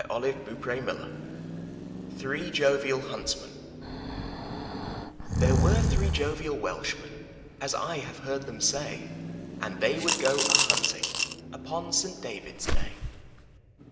47 MY BOOK HOUSE THREE JOVIAL HUNTSMEN TPHERE were three jovial Welshmen, ■• As I have heard them say, And they would go a hunting Upon St. David's day.